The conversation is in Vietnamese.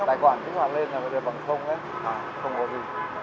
tài khoản kỹ hoạt lên bằng ấy không có gì